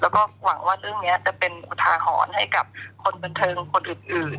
แล้วก็หวังว่าเรื่องนี้จะเป็นอุทาหรณ์ให้กับคนบันเทิงคนอื่น